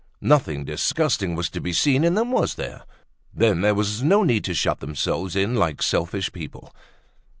Nothing disgusting was to be seen in them, was there? Then there was no need to shut themselves in like selfish people.